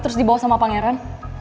terus dibawa sama pangeran